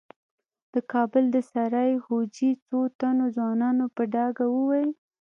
د کابل د سرای خوجې څو تنو ځوانانو په ډاګه وويل.